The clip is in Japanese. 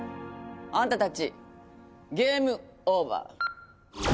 あんたたちゲームオーバー！